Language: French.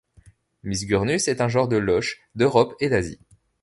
Misgurnus est un genre de loches d'Europe et d'Asie.